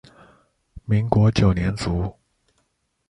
民国九年卒。